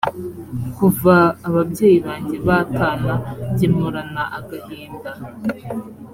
kuva ababyeyi banjye batana njye mporana agahinda